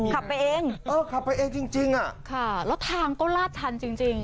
ขับไปเองเออขับไปเองจริงจริงอ่ะค่ะแล้วทางก็ลาดชันจริงจริง